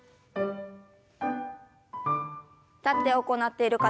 立って行っている方